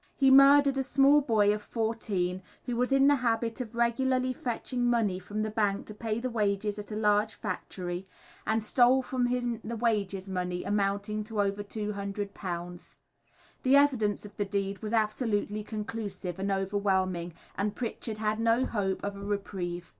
He murdered a small boy of fourteen who was in the habit of regularly fetching money from the bank to pay the wages at a large factory, and stole from him the wages money, amounting to over £200. The evidence of the deed was absolutely conclusive and overwhelming, and Pritchard had no hope of reprieve.